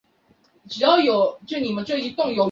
本站位于与交界的明治通地下。